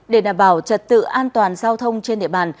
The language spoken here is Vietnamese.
để đảm bảo trật tự an toàn giao thông trên địa bàn